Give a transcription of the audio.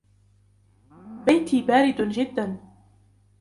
بيتي بارد جدا.